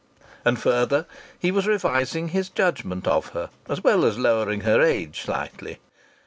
And further, he was revising his judgment of her, as well as lowering her age slightly.